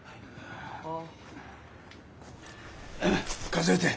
数えて。